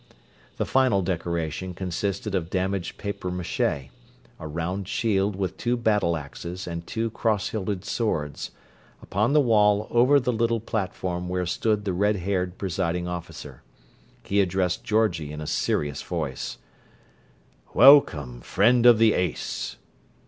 The final decoration consisted of damaged papiermache—a round shield with two battle axes and two cross hilted swords, upon the wall over the little platform where stood the red haired presiding officer. He addressed Georgie in a serious voice: "Welcome, Friend of the Ace."